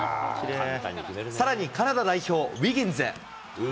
さらにカナダ代表、ウィギンズ。